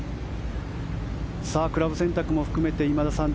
クラブ選択も含めて今田さん